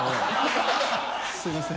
すいません。